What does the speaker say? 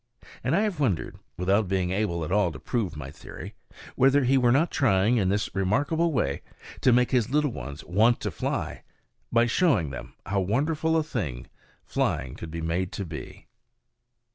And I have wondered without being able at all to prove my theory whether he were not trying in this remarkable way to make his little ones want to fly by showing them how wonderful a thing flying could be made to be.